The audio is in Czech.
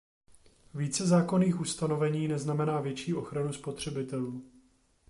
Více zákonných ustanovení neznamená větší ochranu spotřebitelů.